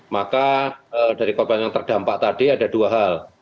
maka dari korban yang terdampak tadi ada dua hal